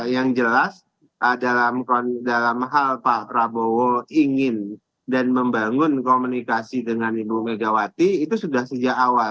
yang jelas dalam hal pak prabowo ingin dan membangun komunikasi dengan ibu megawati itu sudah sejak awal